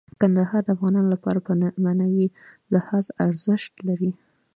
کندهار د افغانانو لپاره په معنوي لحاظ ارزښت لري.